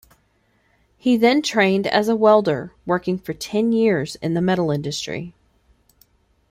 He then trained as a welder, working for ten years in the metal industry.